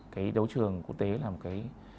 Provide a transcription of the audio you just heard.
cái đấu trường quốc tế làm cái